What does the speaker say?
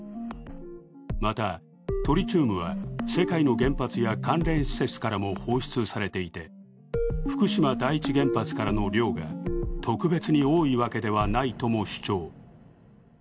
また、トリチウムは世界の原発や関連施設からも放出されていて、福島第一原発からの量が特別に多いわけでもないと主張。